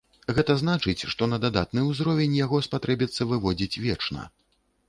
Гэта значыць, што на дадатны ўзровень яго спатрэбіцца выводзіць вечна.